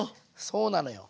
そうなのよ。